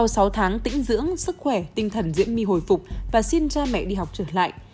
sau sáu tháng tĩnh dưỡng sức khỏe tinh thần diễm my hồi phục và xin cha mẹ đi học trở lại